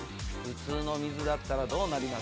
普通の水だったらどうなります？